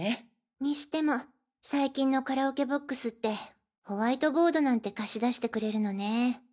にしても最近のカラオケボックスってホワイトボードなんて貸し出してくれるのね。